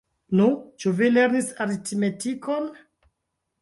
Nu, ĉu vi lernis aritmetikon?